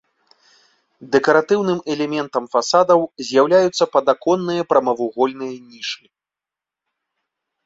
Дэкаратыўным элементам фасадаў з'яўляюцца падаконныя прамавугольныя нішы.